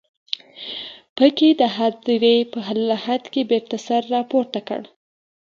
په کې د هديرې په لحد کې بېرته سر راپورته کړ.